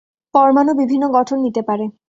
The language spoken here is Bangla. পরমাণু বিভিন্ন গঠন নিতে পারে।